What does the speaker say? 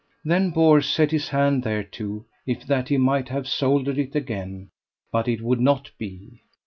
Then Bors set his hand thereto, if that he might have soldered it again; but it would not be.